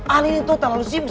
ale ini tuh terlalu sibuk